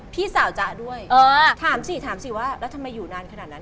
พี่สาวจ๊ะด้วยถามสิถามสิว่าแล้วทำไมอยู่นานขนาดนั้น